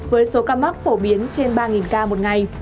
với số ca mắc phổ biến trên ba ca một ngày